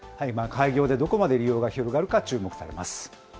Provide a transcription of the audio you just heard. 開業でどこまで利用が広がるか注目されます。